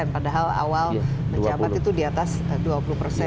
padahal awal mencapat itu diatas